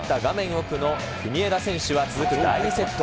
奥の国枝選手は、続く第２セット。